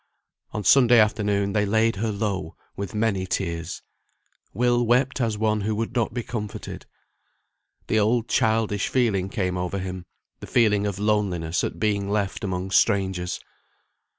On Sunday afternoon they laid her low with many tears. Will wept as one who would not be comforted. The old childish feeling came over him, the feeling of loneliness at being left among strangers.